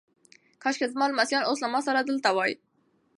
کاشکي زما لمسیان اوس له ما سره دلته وای.